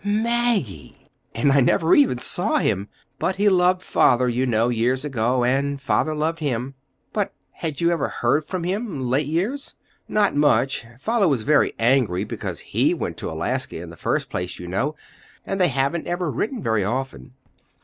"Mag gie!" "And I never even saw him! But he loved father, you know, years ago, and father loved him." "But had you ever heard from him—late years?" "Not much. Father was very angry because he went to Alaska in the first place, you know, and they haven't ever written very often."